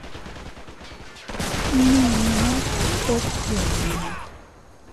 Nmiñune tet yunni.